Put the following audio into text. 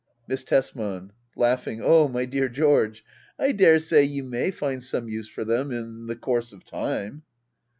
Miss Tesman. [Laughing.'] Oh my dear George, I daresay you may find some use for them — ^in the course of time.